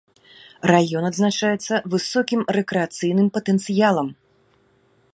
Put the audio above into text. Раён адзначаецца высокім рэкрэацыйным патэнцыялам.